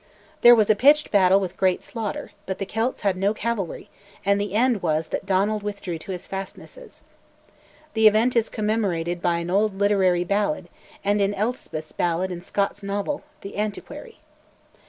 There was a pitched battle with great slaughter, but the Celts had no cavalry, and the end was that Donald withdrew to his fastnesses. The event is commemorated by an old literary ballad, and in Elspeth's ballad in Scott's novel, 'The Antiquary.'